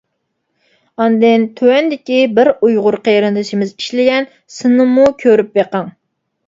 ئاندىن تۆۋەندىكى بىر ئۇيغۇر قېرىندىشىمىز ئىشلىگەن سىننىمۇ كۆرۈپ بېقىڭ.